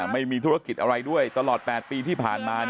ไม่มีธุรกิจอะไรด้วยตลอด๘ปีที่ผ่านมา